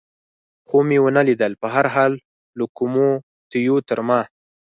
خو مې و نه لیدل، په هر حال لوکوموتیو تر ما.